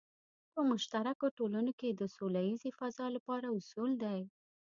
په مشترکو ټولنو کې د سوله ییزې فضا لپاره اصول دی.